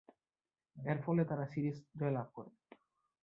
এরফলে তারা সিরিজ জয়লাভ করে।